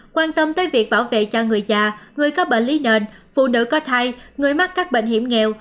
quan tâm tới việc bảo vệ cho người già người có bệnh lý nền phụ nữ có thai người mắc các bệnh hiểm nghèo